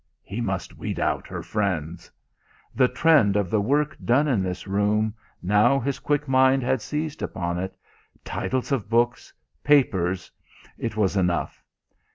(He must weed out her friends!) The trend of the work done in this room now his quick mind had seized upon titles of books, papers, it was enough.